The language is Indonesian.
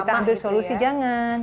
kita ambil solusi jangan